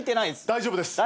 大丈夫です。